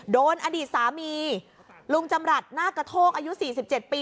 โดนอดีตสามีลุงจำรัฐหน้ากระโทกอายุ๔๗ปี